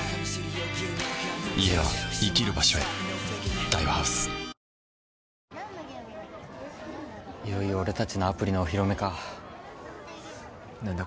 「ＭＡＲＥ」家は生きる場所へいよいよ俺達のアプリのお披露目か何だ